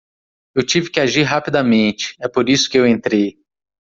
Eu tive que agir rapidamente? é por isso que eu entrei.